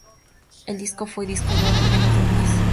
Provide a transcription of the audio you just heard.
El disco fue disco de oro en menos de un mes.